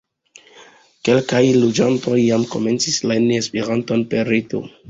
Kelkaj loĝantoj jam komencis lerni Esperanton per reto.